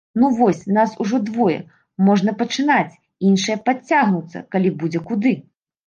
Ну вось, нас ужо двое, можна пачынаць, іншыя падцягнуцца, калі будзе куды.